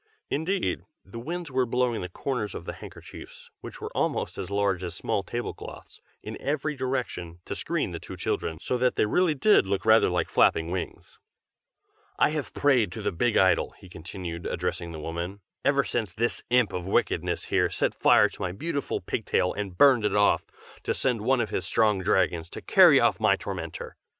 (Indeed, the Winds were blowing the corners of the handkerchiefs, which were almost as large as small tablecloths, in every direction, to screen the two children, so that they really did look rather like flapping wings.) "I have prayed to the Big Idol," he continued, addressing the woman, "ever since this imp of wickedness here set fire to my beautiful pig tail and burned it off, to send one of his strong dragons to carry off my tormentor.